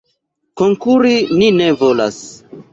Konkuri ni ne volas.